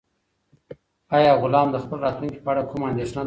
آیا غلام د خپل راتلونکي په اړه کومه اندېښنه لرله؟